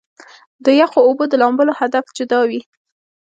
د يخو اوبو د لامبلو هدف جدا وي -